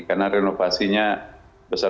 karena renovasinya besar besaran